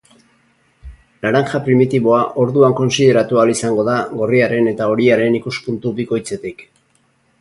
Laranja primitiboa orduan kontsideratu ahal izango da gorriaren eta horiaren ikuspuntu bikoitzetik.